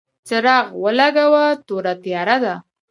څراغ ولګوه ، توره تیاره ده !